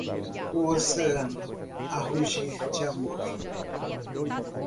O oceano, a rugir d'amor